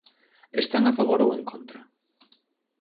¿Están a favor ou en contra?